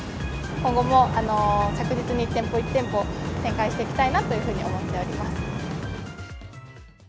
今後も着実に一店舗一店舗展開していきたいなというふうに思っております。